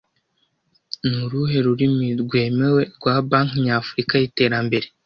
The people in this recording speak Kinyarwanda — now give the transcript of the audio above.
Ni uruhe rurimi rwemewe rwa Banki Nyafurika y'Iterambere